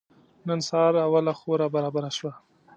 نن سهار اوله خور رابره شوه.